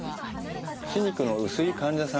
歯肉の薄い患者さんはですね